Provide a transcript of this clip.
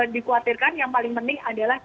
dikhawatirkan yang paling penting adalah